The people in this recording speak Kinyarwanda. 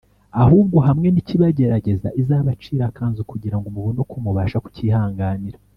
, ahubwo hamwe n’ikibagerageza izabacira akanzu, kugira ngo mubone uko mubasha kucyihanganira.